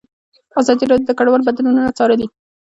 ازادي راډیو د کډوال بدلونونه څارلي.